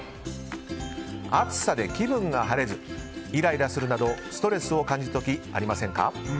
暑さで気分が晴れずイライラするなどストレスを感じる時ありませんか？